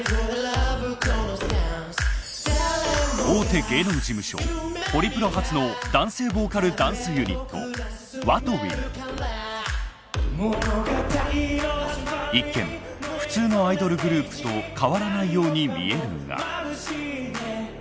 大手芸能事務所ホリプロ初の男性ボーカルダンスユニット一見普通のアイドルグループと変わらないように見えるが。